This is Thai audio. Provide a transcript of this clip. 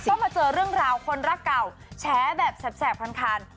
ก็มาเจอเรื่องราวคนรักเก่าแฉแบบแสบคัน